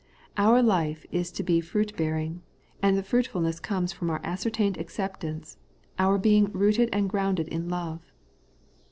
Our life is to be fruit bearing ; and the fruitfulness comes from our ascer tained acceptance, our being /rooted and grounded in love.'